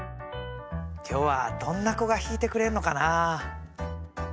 今日はどんな子が弾いてくれるのかな？